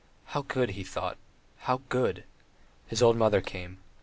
"How good," he thought, "how good!" His old mother came.